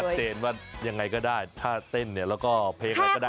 เจนว่ายังไงก็ได้ถ้าเต้นเนี่ยแล้วก็เพลงอะไรก็ได้